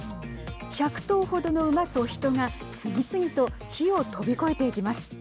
１００頭程の馬と人が次々と火を飛び越えていきます。